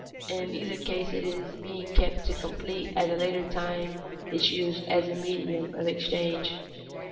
In either case it is being kept to complete at a later time its use as a medium of exchange.